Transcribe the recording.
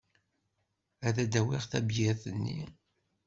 Ad d-awiɣ tabyirt-nni.